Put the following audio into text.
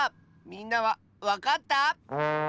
みんなはわかった？